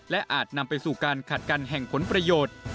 และอาจนำไปสู่การขัดกันแห่งผลประโยชน์